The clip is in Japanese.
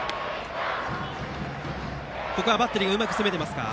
ここはバッテリーがうまく攻めていますか？